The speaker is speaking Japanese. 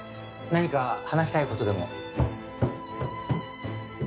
何か話したい事でも？